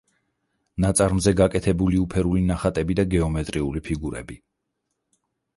ნაწარმზე გაკეთებული უფერული ნახატები და გეომეტრიული ფიგურები.